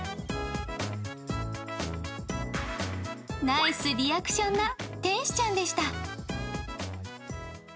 ナイスリアクションな天使ちゃんでした。